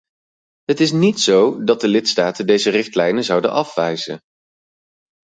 Het is niet zo dat de lidstaten deze richtlijnen zouden afwijzen.